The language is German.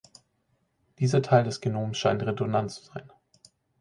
Dieser Teil des Genoms scheint redundant zu sein.